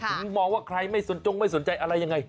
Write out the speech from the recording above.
มองว่าใครไม่สนจงไม่สนใจอะไรยังไง